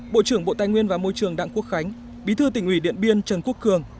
bộ trưởng bộ tài nguyên và môi trường đảng quốc khánh bí thư tỉnh ủy điện biên trần quốc cường